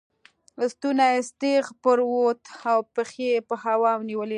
ستونی ستغ پر ووت او پښې یې په هوا ونیولې.